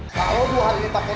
kalau dua hari ini pakai